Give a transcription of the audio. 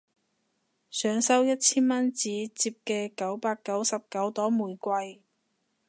想收一千蚊紙摺嘅九百九十九朵玫瑰